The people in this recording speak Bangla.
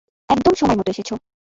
একদম সময় মতো এসেছো।